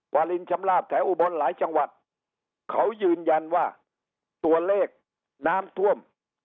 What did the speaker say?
วาลินชำลาบแถวอุบลหลายจังหวัดเขายืนยันว่าตัวเลขน้ำท่วม